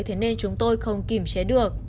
thế nên chúng tôi không kìm chế được